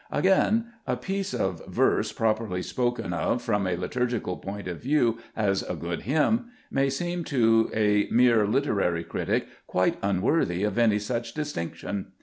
Again, a piece of verse, properly Cbe ffieet Cburcb ID^mus* spoken of, from a liturgical point of view, as "a good hymn," may seem to a mere literary critic quite unworthy of any such distinction.